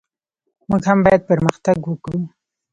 موږ هم باید پرمختګ وکړو.